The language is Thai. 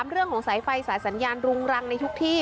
เรื่องของสายไฟสายสัญญาณรุงรังในทุกที่